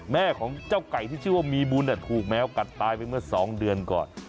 แม่ของเจ้าไก่ที่ชื่อว่ามีบุญถูกแมวกัดตายไปเมื่อ๒เดือนก่อน